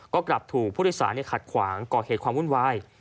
ก็กลับถูกผู้โดยสารขัดขวางก่อเหตุความวุ่นวาย